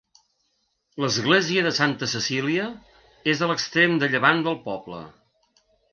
L'església de Santa Cecília és a l'extrem de llevant del poble.